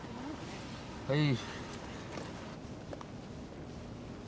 はい。